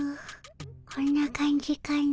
こんな感じかの？